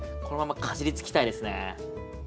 このままかじりつきたいですね。